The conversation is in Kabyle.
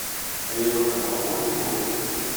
Aya yeqqen ɣer-wen kenwi.